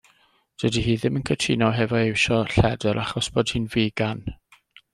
Dydi hi ddim yn cytuno hefo iwsio lledr achos bo' hi'n figan.